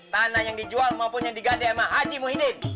tanah yang dijual maupun yang digadai ama haji muhyiddin